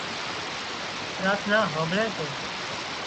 پراٿنا هانمڀۯي سي